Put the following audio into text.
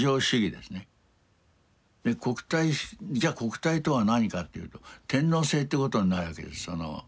国体じゃあ国体とは何かっていうと天皇制ってことになるわけです。